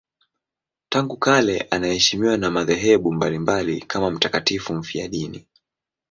Tangu kale anaheshimiwa na madhehebu mbalimbali kama mtakatifu mfiadini.